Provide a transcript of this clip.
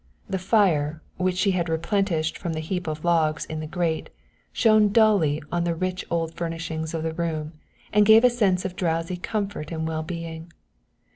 The fire, which she had replenished from the heap of logs in the grate, shone dully on the rich old furnishings of the room and gave a sense of drowsy comfort and well being.